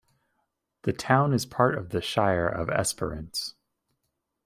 The town is part of the Shire of Esperance.